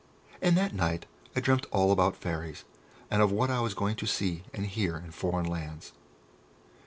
And that night I dreamt all about fairies, and of what I was going to see and hear in foreign lands.